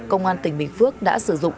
công an tỉnh bình phước đã sử dụng